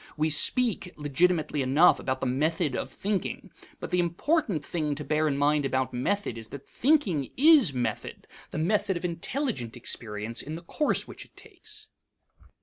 We speak, legitimately enough, about the method of thinking, but the important thing to bear in mind about method is that thinking is method, the method of intelligent experience in the course which it takes.